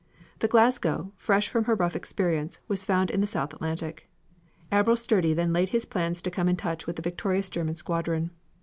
The Glasgow, fresh from her rough experience, was found in the South Atlantic. Admiral Sturdee then laid his plans to come in touch with the victorious German squadron.